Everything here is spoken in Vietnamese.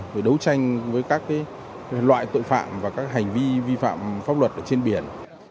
phải đấu tranh với các cái loại tội phạm và các hành vi vi phạm pháp luật ở trên biển